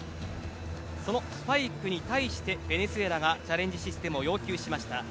そのスパイクに対してベネズエラがチャレンジシステムを要求しました。